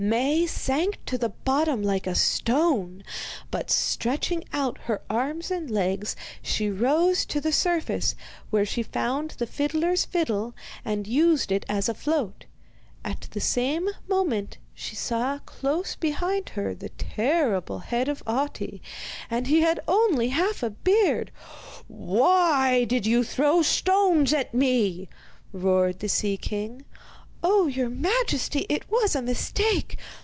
Maie sank to the bottom like a stone, but, stretching out her arms and legs, she rose to the surface, where she found the fiddler's fiddle, and used it as a float. At the same moment she saw close beside her the terrible head of Ahti, and he had only half a beard!' 'Why did you throw stones at me?' roared the sea king. 'Oh, your majesty, it was a mistake!